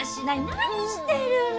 何してるの！